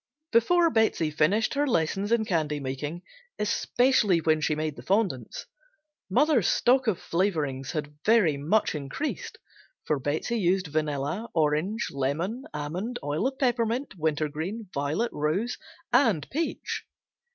Before Betsey finished her lessons in candy making, especially when she made the fondants, mother's stock of flavorings had very much increased, for Betsey used vanilla, orange, lemon, almond, oil of peppermint, wintergreen, violet, rose and peach.